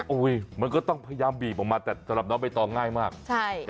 โอ้ยมันก็ต้องพยายามบีบออกมาแต่สำหรับน้องไปต่อง่ายมากใช่ค่ะ